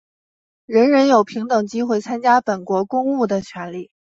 人人有平等机会参加本国公务的权利。